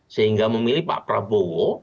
sehingga memilih pak prabowo